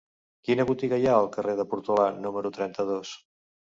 Quina botiga hi ha al carrer de Portolà número trenta-dos?